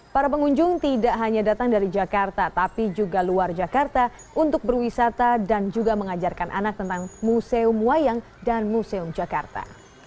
para pengunjung tidak hanya datang dari jakarta tapi juga luar jakarta untuk berwisata dan juga mengajarkan anak tentang museum wayang dan museum jakarta